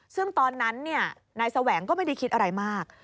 ซึ่งตอนนั้นนายแสวงก็ไม่ได้คิดอะไรมาก